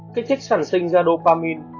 kích thích sản sinh ra dopamine